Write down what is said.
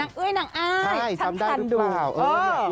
ปาบูทองใช่จำได้รึเปล่านางเอ้ยนางอ้ายฉันทันดู